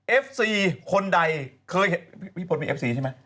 เอฟซีคนใดเคยเห็นพี่พลมีเอฟซีใช่ไหม